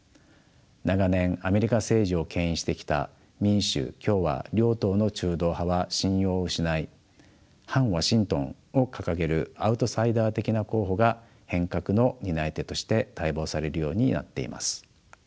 長年アメリカ政治をけん引してきた民主・共和両党の中道派は信用を失い反ワシントンを掲げるアウトサイダー的な候補が変革の担い手として待望されるようになっています。